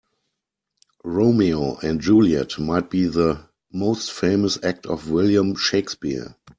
Romeo and Juliet might be the most famous act of William Shakespeare.